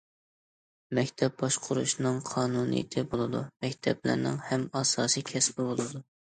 مەكتەپ باشقۇرۇشنىڭ قانۇنىيىتى بولىدۇ، مەكتەپلەرنىڭ ھەم ئاساسىي كەسپى بولىدۇ.